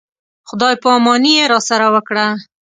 خدای په اماني یې راسره وکړه.